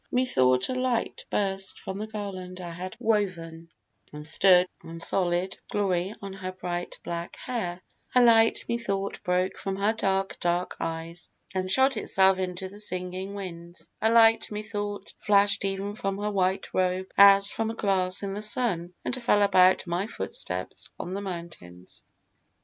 Methought a light Burst from the garland I had woven, and stood A solid glory on her bright black hair: A light, methought, broke from her dark, dark eyes, And shot itself into the singing winds; A light, methought, flash'd even from her white robe, As from a glass in the sun, and fell about My footsteps on the mountains.